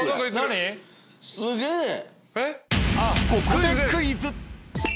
［ここでクイズ］